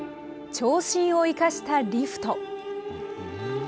長身を生かしたリフト。